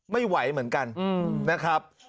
ไม่ไหวเหมือนกันนะครับ